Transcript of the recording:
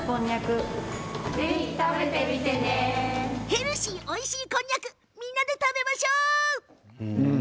ヘルシーでおいしいこんにゃく食べましょう！